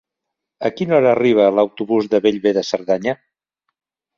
A quina hora arriba l'autobús de Bellver de Cerdanya?